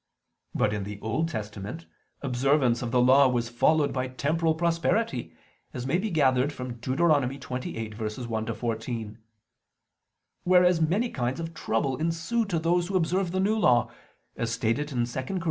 But in the Old Testament observance of the Law was followed by temporal prosperity, as may be gathered from Deut. 28:1 14; whereas many kinds of trouble ensue to those who observe the New Law, as stated in 2 Cor.